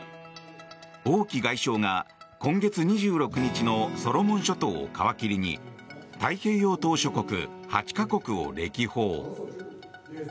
王毅外相が今月２６日のソロモン諸島を皮切りに太平洋島しょ国８か国を歴訪。